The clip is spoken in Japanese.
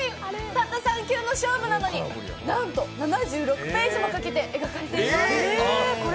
たった３球の勝負なのに、なんと７６ページもかけて描かれています。